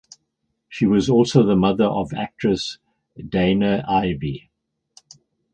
She was also the mother of actress Dana Ivey.